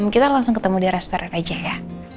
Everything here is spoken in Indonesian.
kita langsung ketemu di restoran aja ya